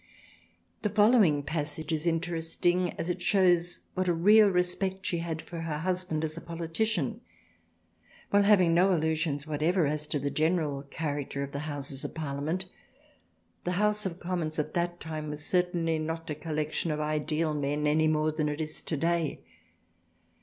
The following passage is interesting as it shews "^ 28 • THRALIANA what a real respect she had for her husband as a politician while having no illusions whatever as to the general character of the Houses of Parliament. s^5 The House of Commons at that time was certainly not a collection of ideal men anymore than it is today.